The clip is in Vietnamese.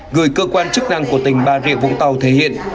người cơ quan chức năng của tỉnh ba rịa vũng tàu thể hiện